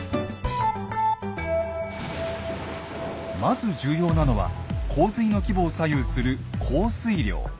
まず重要なのは洪水の規模を左右する降水量。